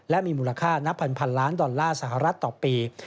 และมีมูลค่านับพันล้านดอลลาร์สหรัฐต่อปี